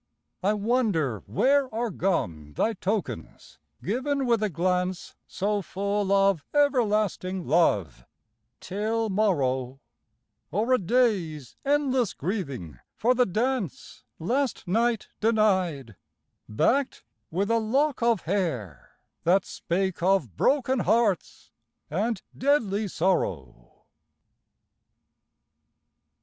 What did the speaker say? I wonder where Are gone thy tokens, given with a glance So full of everlasting love till morrow, Or a day's endless grieving for the dance Last night denied, backed with a lock of hair, That spake of broken hearts and deadly sorrow.